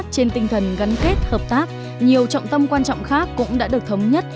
trên tinh thần gắn kết hợp tác nhiều trọng tâm quan trọng khác cũng đã được thống nhất